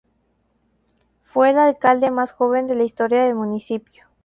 Fue el alcalde más joven de la historia del municipio.